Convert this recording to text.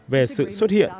về sự xuất hiện